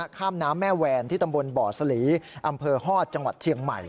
ข้ามน้ำแม่แวนที่ตำบลบ่อสลีอำเภอฮอตจังหวัดเชียงใหม่